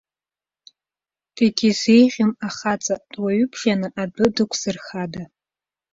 Дегьызеиӷьым ахаҵа, дуаҩыбжаны адәы дықәзырхада?